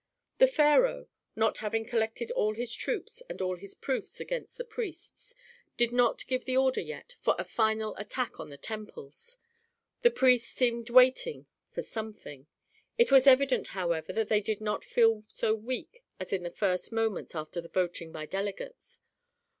The pharaoh, not having collected all his troops and all his proofs against the priests, did not give the order yet for a final attack on the temples; the priests seemed waiting for something. It was evident, however, that they did not feel so weak as in the first moments after the voting by delegates.